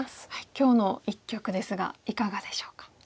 今日の一局ですがいかがでしょうか？